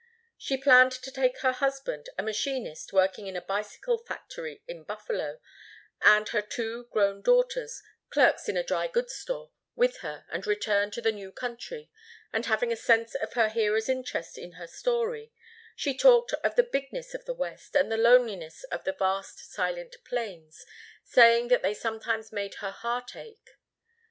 She planned to take her husband, a machinist working in a bicycle factory in Buffalo, and her two grown daughters, clerks in a drygoods store, with her and return to the new country, and having a sense of her hearer's interest in her story, she talked of the bigness of the west and the loneliness of the vast, silent plains, saying that they sometimes made her heart ache.